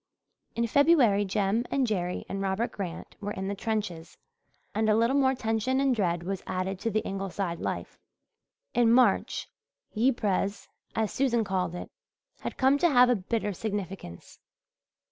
In February Jem and Jerry and Robert Grant were in the trenches and a little more tension and dread was added to the Ingleside life. In March "Yiprez," as Susan called it, had come to have a bitter significance.